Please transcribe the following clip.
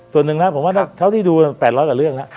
ส่วนนึงนะผมว่าเกิดเยอะกว่าที่ดู๘๐๐กับเรื่องนะ